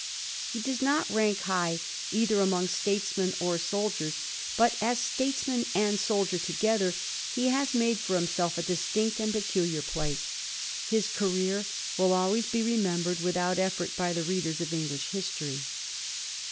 He does not rank high either among statesmen or soldiers ; but as statesman and soldier together he has made for himself a distinct and a peculiar place. His career will always be re membered without eflfort by the readers of EngUsh histoiy.